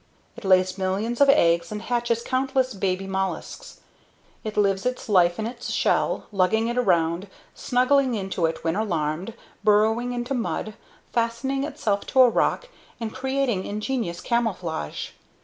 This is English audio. It lays millions of eggs and hatches countless baby mollusks. It lives its life in its shell, lugging it around, snuggling into it when alarmed, burrowing into mud, fastening itself to a rock and creating ingenious camouflage.